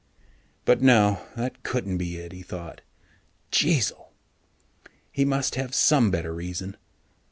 But no, that couldn't be it, he thought. Jeezil! He must have some better reason.